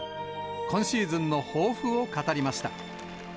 今シーズンの抱負を語りました。